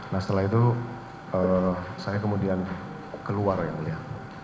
nah setelah itu saya kemudian keluar yang mulia